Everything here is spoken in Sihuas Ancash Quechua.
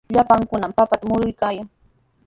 Llapankunami papata muruykaayan.